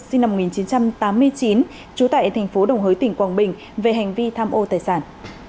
sinh năm một nghìn chín trăm tám mươi chín trú tại thành phố đồng hới tỉnh quảng bình về hành vi tham ô tài sản